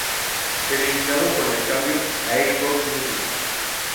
Eliminado con el cambio a Xbox Music.